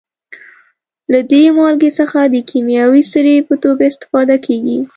له دې مالګې څخه د کیمیاوي سرې په توګه استفاده کیږي.